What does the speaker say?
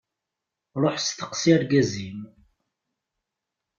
Ruḥ steqsi argaz-im.